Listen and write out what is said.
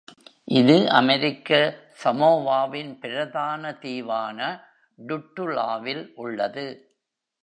இது அமெரிக்க சமோவாவின் பிரதான தீவான டுட்டுலாவில் உள்ளது.